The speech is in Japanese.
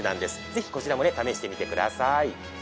ぜひこちらも試してみてください。